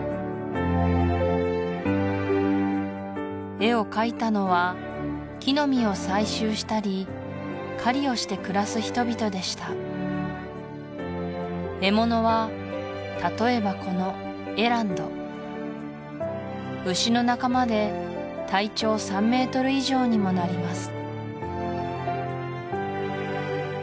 絵を描いたのは木の実を採集したり狩りをして暮らす人々でした獲物は例えばこのエランド牛の仲間で体長３ｍ以上にもなります